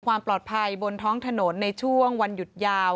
ความปลอดภัยบนท้องถนนในช่วงวันหยุดยาว